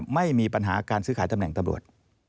ไม่มีปัญหาการซื้อขายตำแหน่งตำรวจ